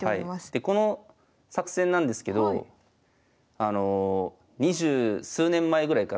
でこの作戦なんですけど２０数年前ぐらいからやってまして。